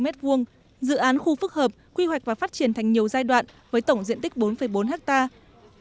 dự án khu phức hợp quy hoạch và phát triển thành nhiều giai đoạn với tổng diện tích bốn bốn hectare